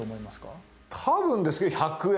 多分ですけど１００円。